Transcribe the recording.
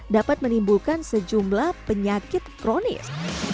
dapat menimbulkan sejumlah penyakit kronis